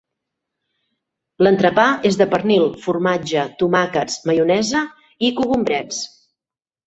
L'entrepà és de pernil, formatge, tomàquets, maionesa i cogombrets.